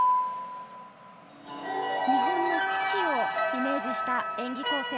日本の四季をイメージした演技構成。